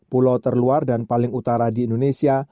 pulau terluar dan paling utara di indonesia